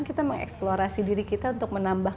kita mengeksplorasi diri kita untuk menambah